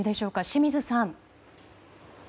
清水さん。